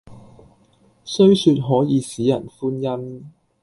雖說可以使人歡欣，